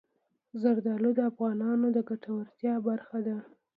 زردالو د افغانانو د ګټورتیا برخه ده.